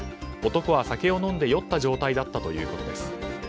男は酒を飲んで酔った状態だったということです。